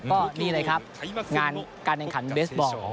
ก็นี่เลยครับงานการแข่งขันเบสบอล